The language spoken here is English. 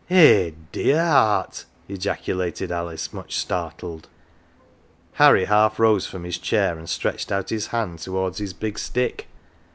"Eh, dear heart!" ejaculated Alice, much startled. Harry half rose from his chair, and stretched out his hand towards his big stick.